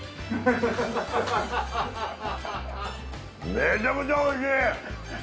めちゃくちゃおいしい！